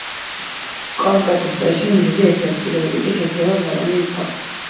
კონკრეტულ სიტუაციაში მიზეზი ერთია, პირობები კი შეიძლება მრავალი იყოს.